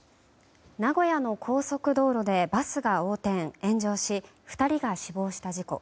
名古屋の高速道路でバスが横転・炎上し２人が死亡した事故。